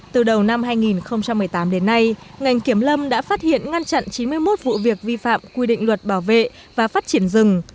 từ đầu năm hai nghìn một mươi tám đến nay ngành kiểm lâm đã phát hiện ngăn chặn chín mươi một vụ việc vi phạm quy định luật bảo vệ và phát triển rừng